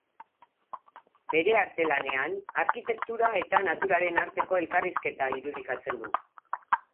Bere arte-lanean, arkitektura eta naturaren arteko elakrrizketa irudikatzen du.